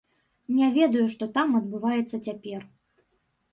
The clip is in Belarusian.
Не ведаю, што там адбываецца цяпер.